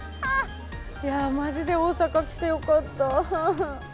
いやー、まじで大阪来てよかった。